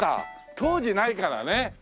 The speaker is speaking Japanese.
当時ないからね。